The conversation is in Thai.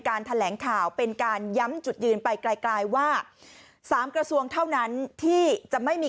แถลงข่าวเป็นการย้ำจุดยืนไปไกลว่า๓กระทรวงเท่านั้นที่จะไม่มี